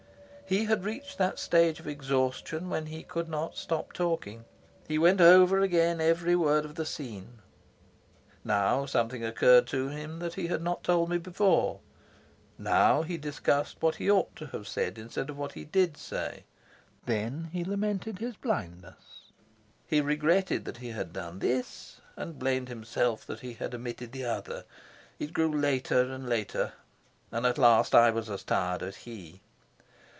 He had reached that stage of exhaustion when he could not stop talking. He went over again every word of the scene. Now something occurred to him that he had not told me before; now he discussed what he ought to have said instead of what he did say; then he lamented his blindness. He regretted that he had done this, and blamed himself that he had omitted the other. It grew later and later, and at last I was as tired as he.